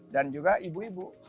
dan juga ibu ibu